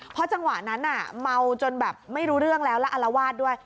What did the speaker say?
เพราะจังหวะนั้นเมาจนแบบไม่รู้เรื่องแล้วแล้วอารวาสด้วย